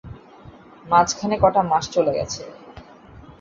মাঝখানে কটা মাস চলে গেছে।